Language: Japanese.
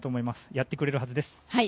やってくれるはずです。